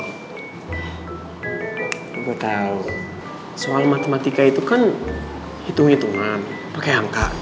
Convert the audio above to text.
gue tahu soal matematika itu kan hitung hitungan pakai angka